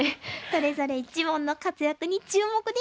それぞれ一門の活躍に注目です。